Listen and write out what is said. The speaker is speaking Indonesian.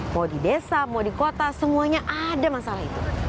mau di desa mau di kota semuanya ada masalah itu